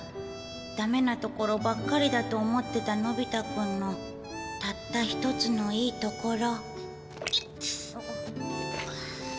だめなところばっかりだと思ってたのび太君のたった１つのいいところ。